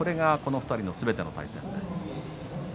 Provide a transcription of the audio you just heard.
２人のすべての対戦です。